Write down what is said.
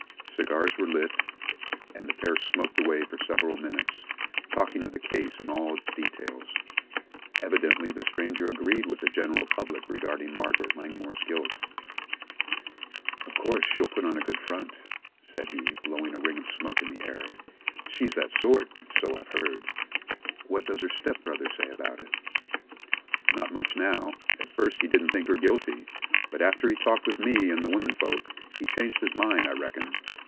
Cigars were lit, and the pair smoked away for several minutes, talking of the case in all of its details. Evidently the stranger agreed with the general public regarding Margaret Langmore's guilt. "Of course she'll put on a good front," said he, blowing a ring of smoke into the air. "She's that sort so I've heard. What does her stepbrother say about it?" "Not much, now. At first he didn't think her guilty, but after he talked with me and the women folks, he changed his mind, I reckon.